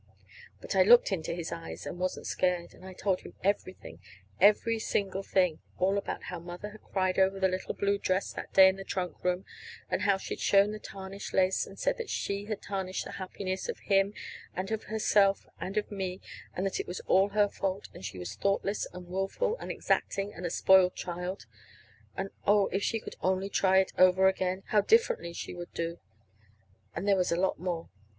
But I looked into his eyes, and wasn't scared; and I told him everything, every single thing all about how Mother had cried over the little blue dress that day in the trunk room, and how she had shown the tarnished lace and said that she had tarnished the happiness of him and of herself and of me; and that it was all her fault; that she was thoughtless and willful and exacting and a spoiled child; and, oh, if she could only try it over again, how differently she would do! And there was a lot more.